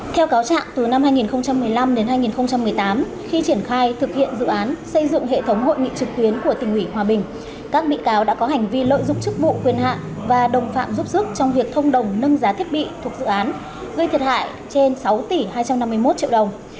theo cáo trạng từ năm hai nghìn một mươi năm đến hai nghìn một mươi tám khi triển khai thực hiện dự án xây dựng hệ thống hội nghị trực tuyến của tỉnh ủy hòa bình các bị cáo đã có hành vi lợi dụng chức vụ quyền hạ và đồng phạm giúp sức trong việc thông đồng nâng giá thiết bị thuộc dự án gây thiệt hại trên sáu tỷ hai trăm năm mươi một triệu đồng